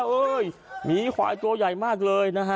เอ้ยหมีควายตัวใหญ่มากเลยนะฮะ